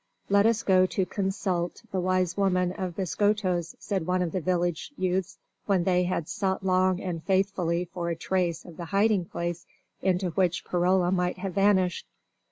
"Let us go to consult the wise woman of Biscoitos," said one of the village youths when they had sought long and faithfully for a trace of the hiding place into which Perola might have vanished.